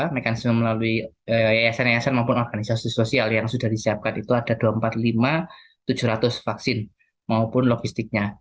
mekanisme melalui yayasan yayasan maupun organisasi sosial yang sudah disiapkan itu ada dua ratus empat puluh lima tujuh ratus vaksin maupun logistiknya